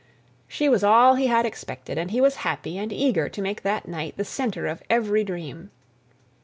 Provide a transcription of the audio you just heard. She was all he had expected, and he was happy and eager to make that night the centre of every dream.